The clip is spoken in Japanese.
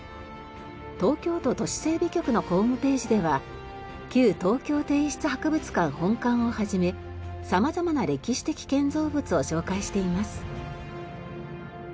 東京都都市整備局のホームページでは旧東京帝室博物館本館を始め様々な歴史的建造物を紹介しています。